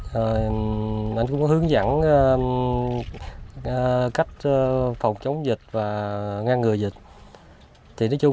hãy hướng dẫn cách phòng chống dịch và ngăn ngừa dịch